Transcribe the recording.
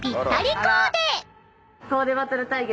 コーデバトル対決。